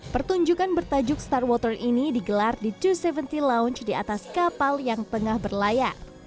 pertunjukan bertajuk starwater ini digelar di dua ratus tujuh puluh lounge di atas kapal yang tengah berlayar